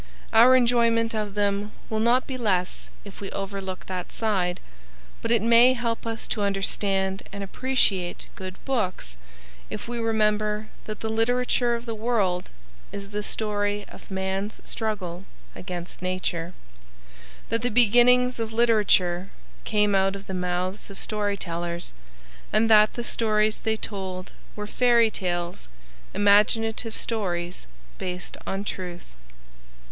Our enjoyment of them will not be less if we overlook that side, but it may help us to understand and appreciate good books if we remember that the literature of the world is the story of man's struggle against nature; that the beginnings of literature came out of the mouths of story tellers, and that the stories they told were fairy tales—imaginative stories based on truth.